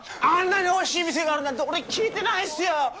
あんなにおいしい店があるなんて俺聞いてないっすよ！